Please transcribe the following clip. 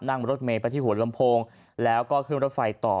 นั่งรถเมย์ไปที่หัวลำโพงแล้วก็ขึ้นรถไฟต่อ